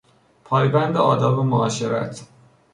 پایبند آداب معاشرت